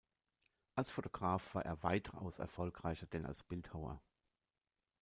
Als Fotograf war er weitaus erfolgreicher denn als Bildhauer.